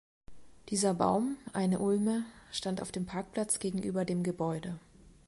Dieser Baum, eine Ulme, stand auf dem Parkplatz gegenüber dem Gebäude.